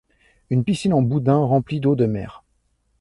Une piscine en boudins remplie d’eau de mer.